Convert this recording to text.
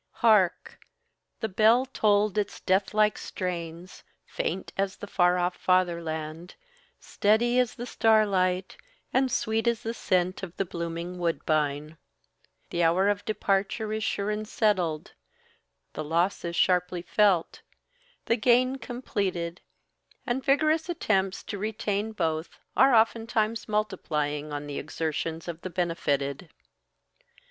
Hark! The bell tolled its death like strains, faint as the far off fatherland, steady as the starlight, and sweet as the scent of the blooming woodbine. The hour of departure is sure and settled, the loss is sharply felt, the gain completed, and vigorous attempts to retain both are oftentimes multiplying on the exertions of the benefitted.